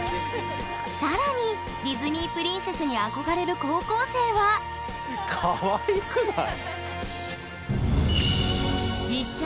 更にディズニープリンセスに憧れる高校生はかわいくない？